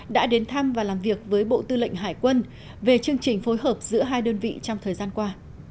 đã đến thăm và làm việc với bộ tư lệnh hải quân về chương trình phối hợp giữa hai đơn vị trong thời gian qua